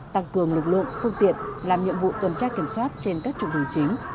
tăng cường lực lượng phương tiện làm nhiệm vụ tuần tra kiểm soát trên các trục hình chính